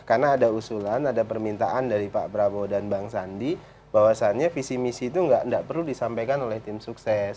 karena ada usulan ada permintaan dari pak prabowo dan bang sandi bahwasannya visi misi itu nggak perlu disampaikan oleh tim sukses